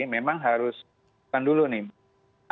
memang harus kan dulu nih